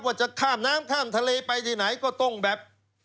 ว่าจะข้ามน้ำข้ามทะเลไปที่ไหนก็ต้องแบบ